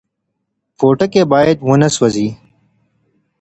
پوټکی باید ونه سوځي.